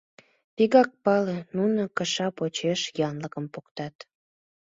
Вигак пале: нуно кыша почеш янлыкым поктат.